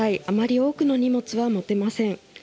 あまり多くの荷物は持てません。